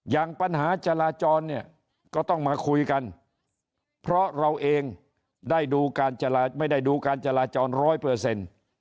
อย่างปัญหาจราจรเนี่ยก็ต้องมาคุยกันเพราะเราเองได้ดูการจราไม่ได้ดูการจราจรร้อยเปอร์เซ็นต์